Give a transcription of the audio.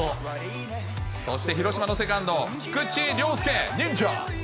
そして広島のセカンド、菊池涼介、忍者。